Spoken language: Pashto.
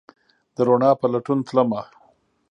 د روڼا په لټون تلمه